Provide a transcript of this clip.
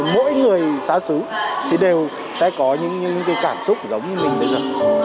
mỗi người xá xứ thì đều sẽ có những cảm xúc giống như mình bây giờ